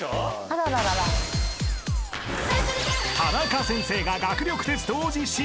［タナカ先生が学力テストを実施］